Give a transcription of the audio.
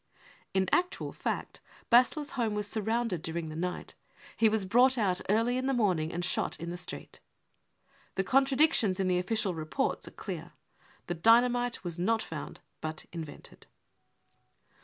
55 In actual fact, Bassler 5 s home was surrounded during the night ; he was brought out early in the morning and shot^ in the street. The contradictions in the official reports are clear. The dynamite was not found, but invented.